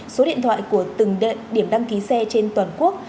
số điện thoại của từng địa điểm đăng ký xe trên toàn quốc